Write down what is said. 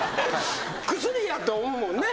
薬やと思うもんね。